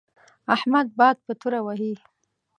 احمد باد په توره وهي.